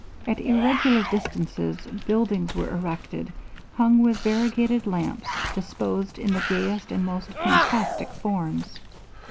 At irregular distances buildings were erected, hung with variegated lamps, disposed in the gayest and most fantastic forms.